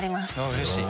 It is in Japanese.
うれしい！